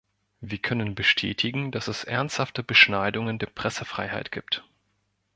Wir können bestätigen, dass es ernsthafte Beschneidungen der Pressefreiheit gibt.